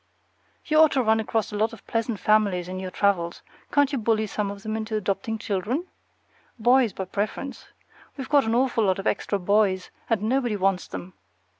You ought to run across a lot of pleasant families in your travels; can't you bully some of them into adopting children? Boys by preference. We've got an awful lot of extra boys, and nobody wants them.